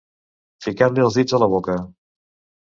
Ficar-li els dits a la boca.